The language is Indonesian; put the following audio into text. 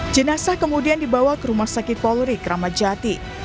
jenazah kemudian dibawa ke rumah sakit polri kramajati